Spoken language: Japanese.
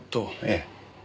ええ。